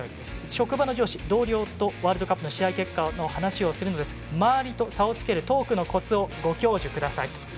職場の上司、同僚とワールドカップの試合結果の話をするのですが周りと差をつけるトークのコツをご教授くださいと。